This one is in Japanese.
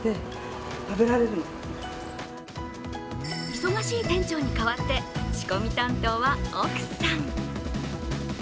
忙しい店長に代わって、仕込み担当は奥さん。